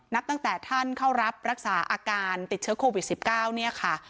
นับตั้งแต่ท่านเข้ารับรักษาอาการติดเชื้อโควิด๑๙เนี่ยค่ะ